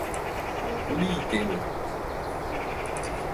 КУД ИЙ ТЕМЫН